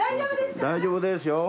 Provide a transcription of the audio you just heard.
大丈夫ですか？